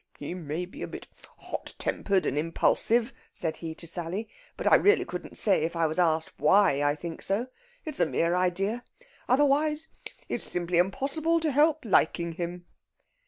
"He may be a bit hot tempered and impulsive," said he to Sally. "But I really couldn't say, if I were asked, why I think so. It's a mere idea. Otherwise, it's simply impossible to help liking him."